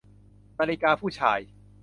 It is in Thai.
นาฬิกาผู้ชาย